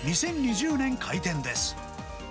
２０２０年開店です。